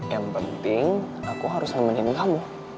yang penting aku harus nemenin kamu